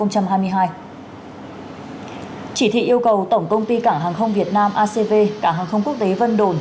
chỉ thị yêu cầu tổng công ty cảng hàng không việt nam acv cảng hàng không quốc tế vân đồn